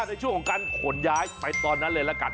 ในช่วงของการขนย้ายไปตอนนั้นเลยละกัน